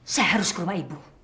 saya harus ke rumah ibu